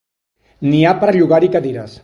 N'hi ha per llogar-hi cadires.